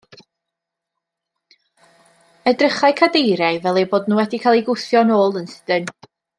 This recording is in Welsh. Edrychai cadeiriau fel eu bod nhw wedi cael eu gwthio nôl yn sydyn.